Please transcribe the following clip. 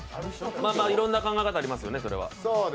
いろんな考え方ありますよね。